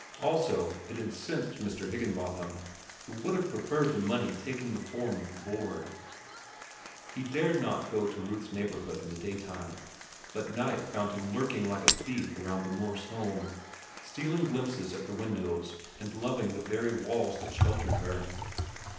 Also, it incensed Mr. Higginbotham, who would have preferred the money taking the form of board. He dared not go near Ruth's neighborhood in the daytime, but night found him lurking like a thief around the Morse home, stealing glimpses at the windows and loving the very walls that sheltered her.